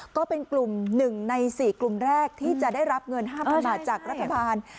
ก็เป็นกลุ่มหนึ่งในสี่กลุ่มแรกที่จะได้รับเงินห้าพันบาทจากรัฐบาล